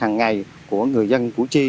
hàng ngày của người dân củ chi